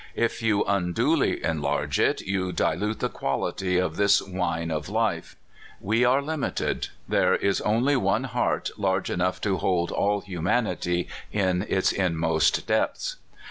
If you unduly enlarge it you dilute the quality of this wine of life* We are limited. There is only One Heart large enough to hold all humanity in its inmost depths.